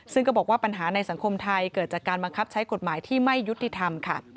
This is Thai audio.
ซึ่งก็บอกว่าปัญหาในสังคมไทยเกิดจากการบังคับใช้กฎหมายที่ไม่ยุติธรรมค่ะ